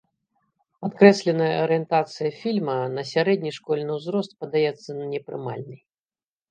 Падкрэсленая арыентацыя фільма на сярэдні школьны ўзрост падаецца непрымальнай.